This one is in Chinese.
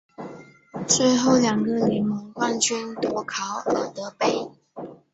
最后两个联盟冠军夺考尔德杯。